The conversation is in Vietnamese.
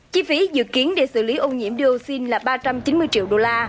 chi phí dự kiến để xử lý ô nhiễm dioxin là ba trăm chín mươi triệu đô la